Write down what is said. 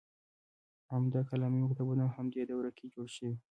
عمده کلامي مکتبونه په همدې دوره کې جوړ شوي.